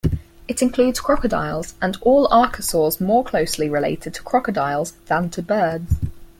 It includes crocodiles and all archosaurs more closely related to crocodiles than to birds.